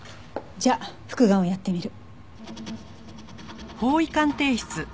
じゃあ復顔をやってみる。